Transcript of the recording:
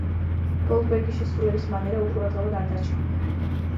გოლდბერგის შესრულების მანერა უყურადღებოდ არ დარჩენილა.